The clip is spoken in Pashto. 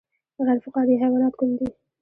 غیر فقاریه حیوانات کوم دي